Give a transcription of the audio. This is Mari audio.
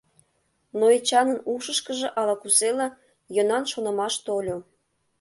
Но Эчанын ушышкыжо ала-кузела йӧнан шонымаш тольо.